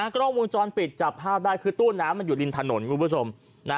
ก็ต้องวงจรปิดจับภาพได้คือตู้น้ำอยู่ลินถนน